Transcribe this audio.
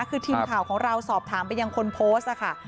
คือทีมข่าวของเราสอบถามไปยังคนโพสต์ค่ะ